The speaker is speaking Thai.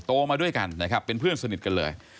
มาด้วยกันนะครับเป็นเพื่อนสนิทกันเลย